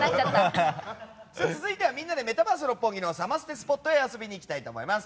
続いては、みんなでメタバース六本木のサマステスポットへ遊びに行きたいと思います。